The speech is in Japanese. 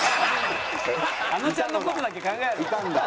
あのちゃんの事だけ考えろ。